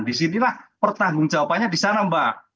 disinilah pertanggung jawabannya disana mbak